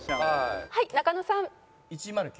はい仲野さん。